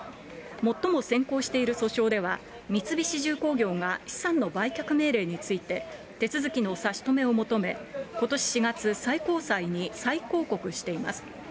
最もせんこうしている訴訟では、三菱重工業が資産の売却命令について、手続きの差し止めを求め、ことし４月、最高裁に再抗告しています。